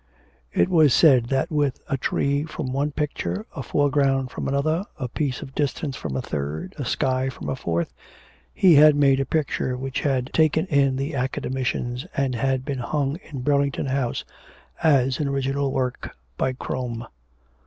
It was said that with a tree from one picture, a foreground from another, a piece of distance from a third, a sky from a fourth, he had made a picture which had taken in the Academicians, and had been hung in Burlington House as an original work by Crome.